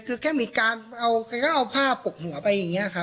วิจัยขึ้นแค่เอาผ้าปกหัวไป